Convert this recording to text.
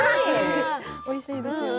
おいしいですよね。